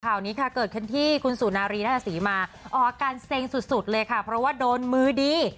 ข่าวนี้ค่ะเกิดขึ้นที่คุณสุนารีราชศรีมาออกอาการเซ็งสุดสุดเลยค่ะเพราะว่าโดนมือดี